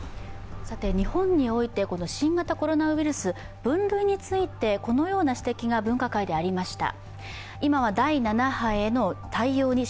日本において新型コロナウイルス、分類についてこのような指摘が分科会でありました。